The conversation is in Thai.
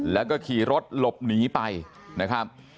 แล้วก็ขี่รถหลบหนีไปนะครับ